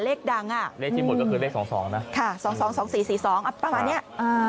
เลขดังอ่ะเลขที่หมดก็คือเลขสองสองนะค่ะสองสองสองสี่สี่สองอ่ะประมาณเนี้ยอ่า